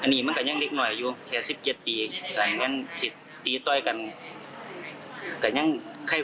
พวกตากับย่าก็เสียใจทุกคนเสียใจเหมือนกันนะครับ